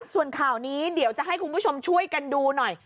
ส่วนข่าวนี้เดี๋ยวจะให้คุณผู้ชมช่วยกันดูหน่อย